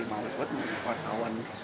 pra sejak terang